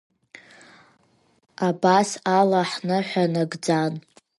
Абас ала ҳныҳәа нагӡан.